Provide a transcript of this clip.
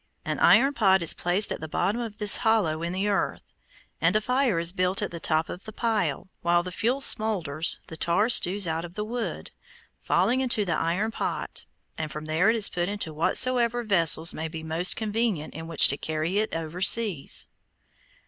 An iron pot is placed at the bottom of this hollow in the earth, and a fire is built at the top of the pile. While the fuel smolders, the tar stews out of the wood, falling into the iron pot, and from there is put into whatsoever vessels may be most convenient in which to carry it over seas.